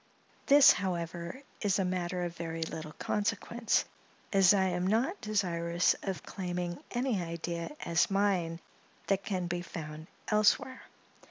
This, however, is a matter of very little consequence, as I am not desirous of claiming any idea as mine that can be found elsewhere.